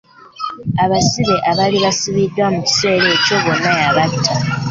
Abasibe abaali basibiddwa mu kiseera ekyo bonna yabata.